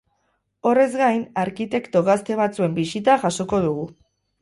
Horrez gain, arkitekto gazte batzuen bisita jasoko dugu.